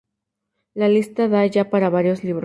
la lista da ya para varios libros